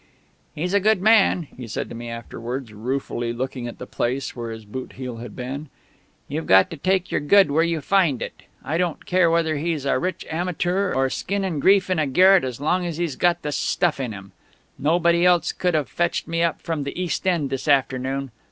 "He's a good man," he said to me afterwards, ruefully looking at the place where his boot heel had been. "You've got to take your good where you find it. I don't care whether he's a rich amateur or skin and grief in a garret as long as he's got the stuff in him. Nobody else could have fetched me up from the East End this afternoon....